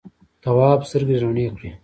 تواب سترګې رڼې کړې.